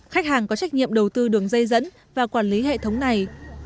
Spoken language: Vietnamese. khách hàng có trách nhiệm đầu tư đường dây dẫn và quản lý hệ thống này